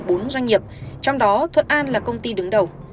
thuận an gồm bốn doanh nghiệp trong đó thuận an là công ty đứng đầu